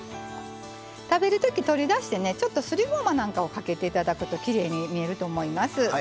食べるときに取り出してちょっとすりごまなんかをかけていただくときれいに見えると思います。